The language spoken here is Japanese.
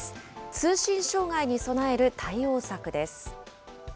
通信障害に備える対応策です。